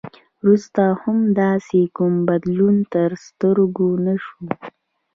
وروسته هم داسې کوم بدلون تر سترګو نه شو.